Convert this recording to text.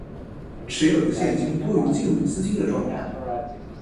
持有的现金多于借入资金的状态